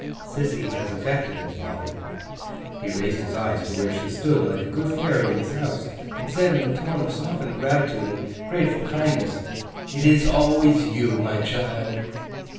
'Sissy has effected it, father.' He raised his eyes to where she stood, like a good fairy in his house, and said in a tone of softened gratitude and grateful kindness, 'It is always you, my child!